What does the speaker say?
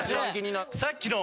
さっきの。